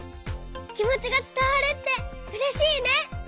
きもちがつたわるってうれしいね！